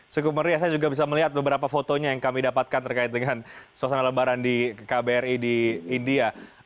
cukup meriah saya juga bisa melihat beberapa fotonya yang kami dapatkan terkait dengan suasana lebaran di kbri di india